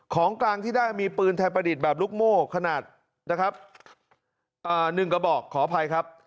ของกลางที่ได้มีปืนไทยประดิษฐ์แบบลูกโม่ขนาดนะครับ๑กระบอกขออภัยครับ